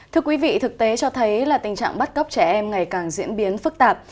thưa quý vị thực tế cho thấy là tình trạng bắt cóc trẻ em ngày càng diễn biến phức tạp